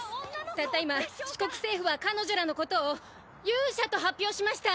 たった今四国政府は彼女らのことを「勇者」と発表しました。